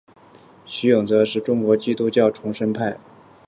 徐永泽是中国基督教重生派的创始人之一。